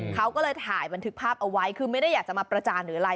เขาก็เลยถ่ายบันทึกภาพเอาไว้คือไม่ได้อยากจะมาประจานหรืออะไร